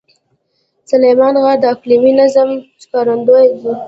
سلیمان غر د اقلیمي نظام ښکارندوی دی.